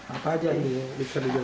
apa saja yang bisa dijelaskan